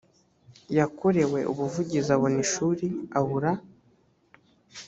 yakorewe ubuvugizi abona ishuri abura